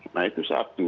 nah itu satu